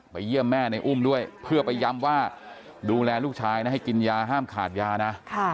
เยี่ยมแม่ในอุ้มด้วยเพื่อไปย้ำว่าดูแลลูกชายนะให้กินยาห้ามขาดยานะ